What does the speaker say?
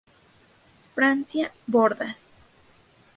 Francia: Bordas.